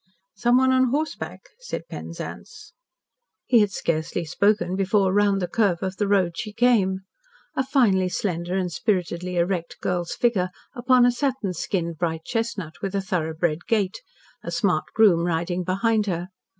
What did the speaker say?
"Someone on horseback," said Penzance. He had scarcely spoken before round the curve of the road she came. A finely slender and spiritedly erect girl's figure, upon a satin skinned bright chestnut with a thoroughbred gait, a smart groom riding behind her.